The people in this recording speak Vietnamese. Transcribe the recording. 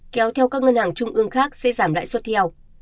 kéo theo các ngân hàng trung ương khác sẽ giảm lãi suất theo